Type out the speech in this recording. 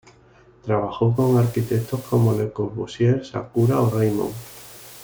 Trabajó con arquitectos como Le Corbusier, Sakura o Raymond.